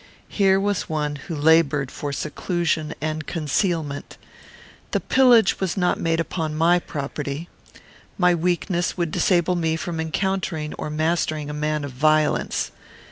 Here was one who laboured for seclusion and concealment. The pillage was not made upon my property. My weakness would disable me from encountering or mastering a man of violence.